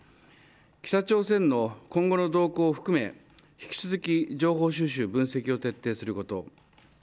北朝鮮の今後の動向を含め引き続き情報収集分析を徹底すること。